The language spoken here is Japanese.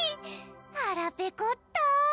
はらペコった！